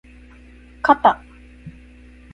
かた